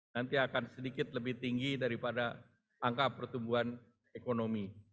nanti akan sedikit lebih tinggi daripada angka pertumbuhan ekonomi